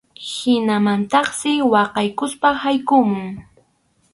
Hinamantaqsi waqaykuspa yaykumun.